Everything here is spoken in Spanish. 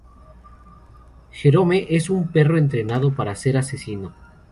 Jerome es un perro entrenado para ser asesino.